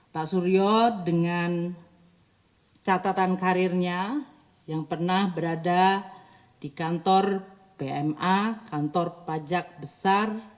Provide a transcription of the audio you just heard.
pak suryo dengan catatan karirnya yang pernah berada di kantor pma kantor pajak besar